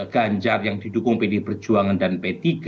ganjar yang didukung pdi perjuangan dan p tiga